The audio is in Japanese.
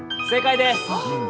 正解です。